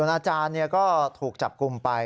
อาจารย์ก็ถูกจับกลุ่มไป